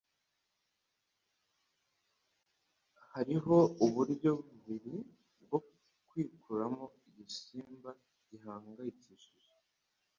Hariho uburyo bubiri bwo kwikuramo igisimba gihangayikishije,